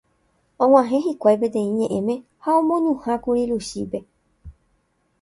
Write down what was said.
Og̃uahẽ hikuái peteĩ ñe'ẽme ha omoñuhãkuri Luchípe.